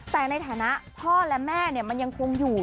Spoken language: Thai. แต่ในฐานะพ่อและแม่มันยังคงอยู่